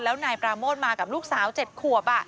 แล้วนายปราโมทมากับลูกสาว๗ขวบ